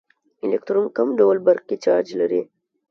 الکترون کوم ډول برقي چارچ لري.